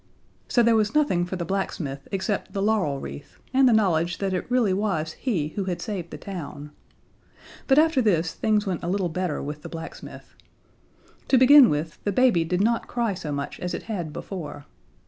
So there was nothing for the blacksmith except the laurel wreath and the knowledge that it really was he who had saved the town. But after this things went a little better with the blacksmith. To begin with, the baby did not cry so much as it had before.